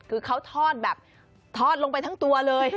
คือเขาทอดแบบทอดลงไปทั้งตัวเลย